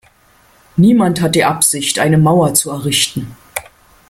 Niemand hat die Absicht eine Mauer zu errichten.